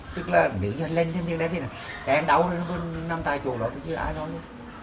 tức là nữ nhân lên trên đường này cái em đau lên con nằm tại chỗ đó tôi chứ ai nói gì